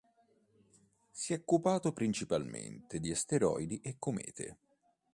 Si è occupato principalmente di asteroidi e comete.